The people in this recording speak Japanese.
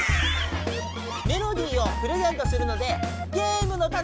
メロディーをプレゼントするのでゲームのタネください！